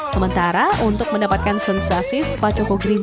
sementara untuk mendapatkan sensasi spa coko green tea